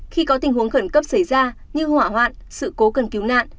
khi có tình huống khẩn cấp xảy ra như hỏa hoạn sự cố cần cứu nạn